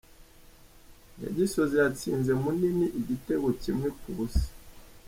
Nyagisozi yatsinze Munini igitego kimwe ku busa.